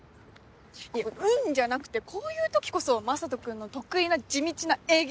「うん」じゃなくてこういう時こそ雅人君の得意な地道な営業じゃん。